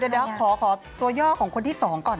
เดี๋ยวขอตัวย่อของคนที่๒ก่อน